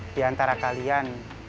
di antara kalian